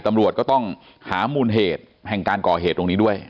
ตำรวจก็ต้องหามูลเหตุแห่งการก่อเหตุตรงนี้ด้วย